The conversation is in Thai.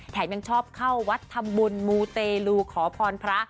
แถมยังชอบเข้าวัดธรรมบุญมูเตรูขอพรพระ